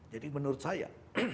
jadi menurut saya